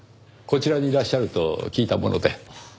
こちらにいらっしゃると聞いたもので。